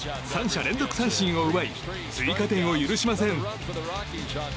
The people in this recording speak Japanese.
３者連続三振を奪い追加点を許しません。